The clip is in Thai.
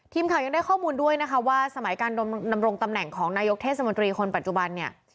ทีมข่าวยังได้ข้อมูลด้วยนะคะว่าสมัยการดำรงตำแหน่งของนายกเทศมนตรีคนปัจจุบันเนี่ย